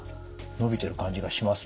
伸びてる感じがしますね。